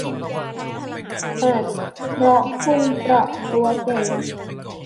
อาจเพราะคุณปรับตัวเก่ง